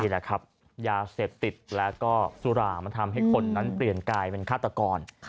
แหละครับยาเสพติดแล้วก็สุรามันทำให้คนนั้นเปลี่ยนกลายเป็นฆาตกร